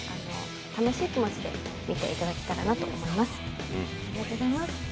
楽しい気持ちで見ていただけたらなと思います。